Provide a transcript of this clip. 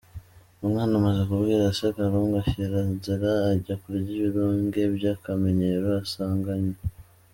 Umwana amaze kubwira se, Karungu ashyira nzira ajya kurya ibirunge by’akamenyero asanganywe.